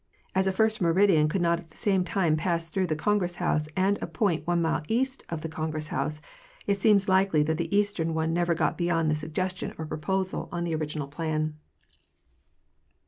As a first meridian could not at the same time pass through the Congress house and a point one mile east of the Congress house, it seems likely that the eastern one never got beyond the suggestion or proposal on the original plan.